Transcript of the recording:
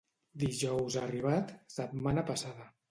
Dijous arribat, setmana passada.